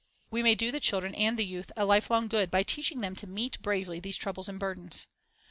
We may do the children and the youth a lifelong good by teaching them to meet bravely these troubles and burdens.